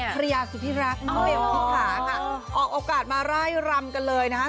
ภรรยาสุธิรักน้องเบลพิถาค่ะออกโอกาสมาไล่รำกันเลยนะคะ